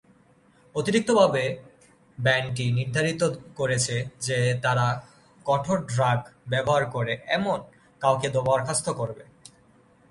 অতিরিক্তভাবে, ব্যান্ডটি নির্ধারিত করেছে যে তারা কঠোর ড্রাগ ব্যবহার করে এমন কাউকে বরখাস্ত করবে।